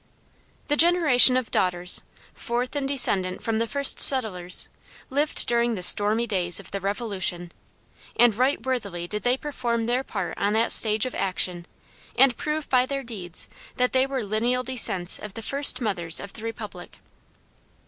The generation of daughters, fourth in descent from the first settlers, lived during the stormy days of the Revolution; and right worthily did they perform their part on that stage of action, and prove by their deeds that they were lineal descendants of the first mothers of the Republic.